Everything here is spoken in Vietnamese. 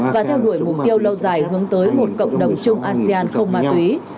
và theo đuổi mục tiêu lâu dài hướng tới một cộng đồng chung asean không ma túy